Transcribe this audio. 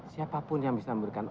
siapapun yang bisa memberikan